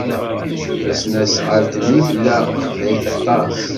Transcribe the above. Tasnasɣalt-nni tella ɣlayet aṭas.